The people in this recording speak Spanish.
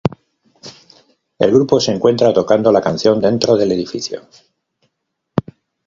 El grupo se encuentra tocando la canción dentro del edificio.